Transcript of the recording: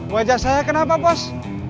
wajah saya kenapa bos